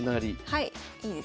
はい。